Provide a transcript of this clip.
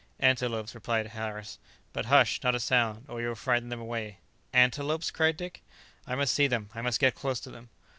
"Antelopes," replied Harris; "but, hush! not a sound, or you will frighten them away." "Antelopes!" cried Dick; "I must see them; I must get close to them."